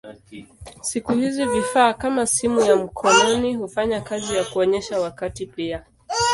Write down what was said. Siku hizi vifaa kama simu ya mkononi hufanya kazi ya kuonyesha wakati pia.